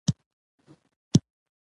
زه هره ورځ له فشار سره مخامخېږم.